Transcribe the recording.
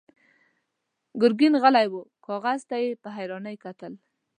ګرګين غلی و، کاغذ ته يې په حيرانۍ کتل.